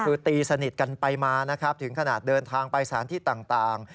คือตีสนิทกันไปมานะครับถึงขนาดเดินทางไปสถานที่ต่าง